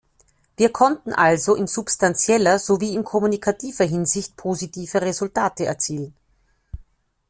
Wir konnten also in substanzieller sowie in kommunikativer Hinsicht positive Resultate erzielen.